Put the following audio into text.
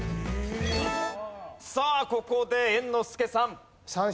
さあここで猿之助さん。